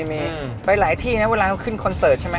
ไปหลายที่นะเวลาเขาขึ้นคอนเสิร์ตใช่ไหม